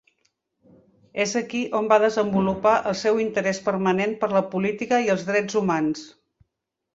És aquí on va desenvolupar el seu interès permanent per la política i els drets humans.